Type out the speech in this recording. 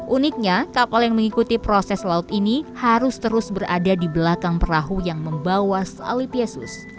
uniknya kapal yang mengikuti proses laut ini harus terus berada di belakang perahu yang membawa salib yesus